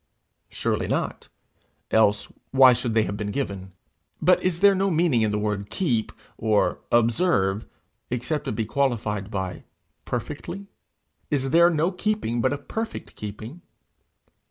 Surely not else why should they have been given? But is there no meaning in the word keep, or observe, except it be qualified by perfectly? Is there no keeping but a perfect keeping?